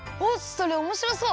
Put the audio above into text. それおもしろそう！